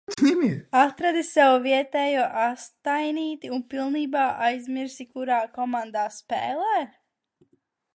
Atradi sev vietējo astainīti un pilnībā aizmirsi, kurā komandā spēlē?